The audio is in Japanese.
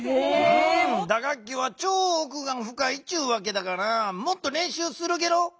打楽器はちょうおくがふかいっちゅわけだからもっとれんしゅうするゲロ！